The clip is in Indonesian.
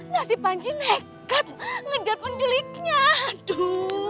nah si panci nekat ngejar penculiknya aduh